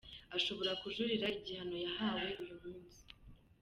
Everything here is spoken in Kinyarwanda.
Ashobora kujuririra igihano yahawe uyu munsi.